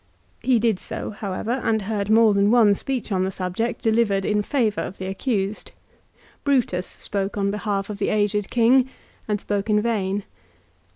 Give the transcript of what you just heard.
He did do so, however, and heard more than one speech on the subject delivered in favour of the accused. Brutus spoke on behalf of the aged king and spoke in vain.